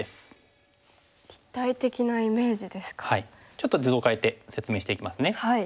ちょっと図を変えて説明していきますね。